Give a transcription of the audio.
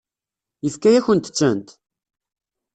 Yefka-yakent-tent?